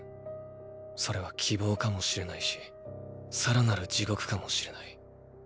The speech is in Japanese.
それは希望かもしれないしさらなる地獄かもしれない。